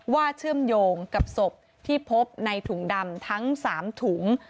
เชื่อมโยงกับศพที่พบในถุงดำทั้ง๓ถุง